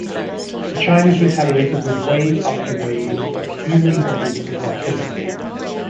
The Chinese retaliated with wave after wave of human bodies and artillery.